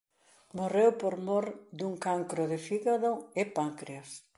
Morreu por mor dun cancro de fígado e páncreas.